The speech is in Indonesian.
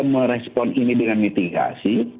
merespon ini dengan mitigasi